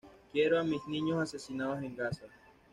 Quiero a mis niños asesinados en Gaza.